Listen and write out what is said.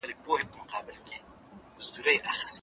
ثبت سوي مواد د انلاين درس له لارې زده کوونکو ته وړاندې سوي دي.